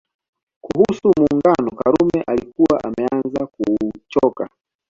Kuhusu Muungano Karume alikuwa ameanza kuuchoka